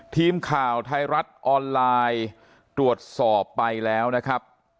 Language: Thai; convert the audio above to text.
ทีมข่าวไทยรัฐออนไลน์ตรวจสอบไปแล้วนะครับ